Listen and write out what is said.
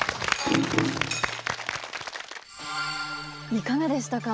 いかがでしたか？